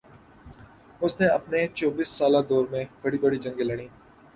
اس نے اپنے چوبیس سالہ دور میں بڑی بڑی جنگیں لڑیں